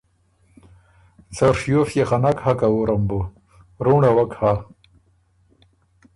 ” څه ڒیوف يې خه نک هۀ که وُرم بُو، رُوںړه وک هۀ،